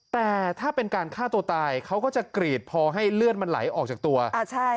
แต่ถ้าเป็นการฆ่าตัวตายเขาก็จะกรีดพอให้เลือดมันไหลออกจากตัวอ่าใช่